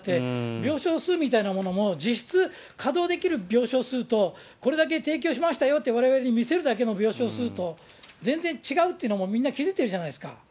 病床数みたいなものも、実質稼働できる病床数と、これだけ提供しましたよって、われわれに見せるだけの病床数と、全然違うってのも、みんな気付いてるじゃないですか。